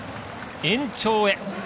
延長へ。